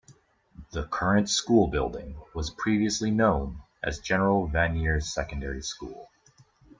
The current school building was previously known as General Vanier Secondary School.